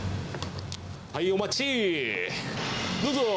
はい、お待ち、どうぞ！